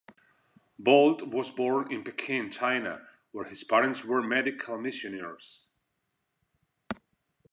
Bolt was born in Peking, China, where his parents were medical missionaries.